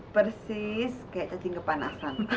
persis kayak cacing kepanasan